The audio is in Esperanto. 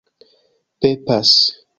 pepas